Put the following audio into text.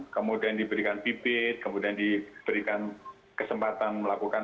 kemudian diberikan bibit kemudian diberikan kesempatan melakukan